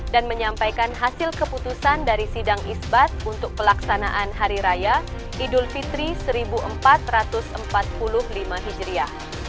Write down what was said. dan menyampaikan hasil keputusan dari sidang isbat untuk pelaksanaan hari raya idul fitri seribu empat ratus empat puluh lima hijriah